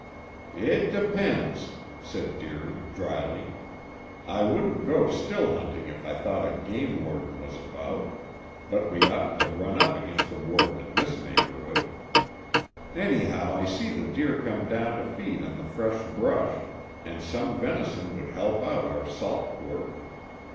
"It depends," said Deering dryly. "I wouldn't go still hunting if I thought a game warden was about, but we oughtn't to run up against a warden in this neighborhood. Anyhow, I see the deer come down to feed on the fresh brush, and some venison would help out our salt pork.